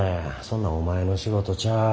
そんなんお前の仕事ちゃう。